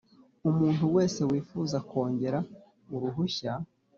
umuntu wese wifuza kongera uruhushya